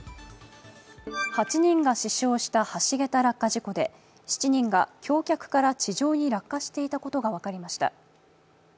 ８人が死傷した橋桁落下事故で７人が橋脚から地上に落下していたことが分かりました。